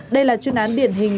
đây là chuyên án điển hình